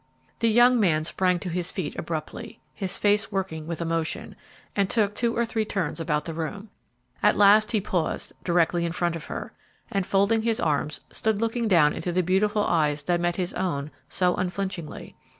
The young man sprang to his feet abruptly, his face working with emotion, and took two or three turns about the room. At last he paused, directly in front of her, and, folding his arms, stood looking down into the beautiful eyes that met his own so unflinchingly.